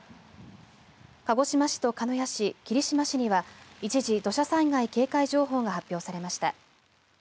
鹿児島市と鹿屋市、霧島市には一時、土砂災害警戒情報が発表されました。